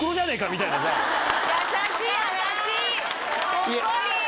ほっこり！